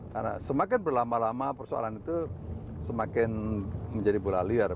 karena semakin berlama lama persoalan itu semakin menjadi berlaliar